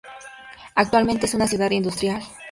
Actualmente es una ciudad industrial.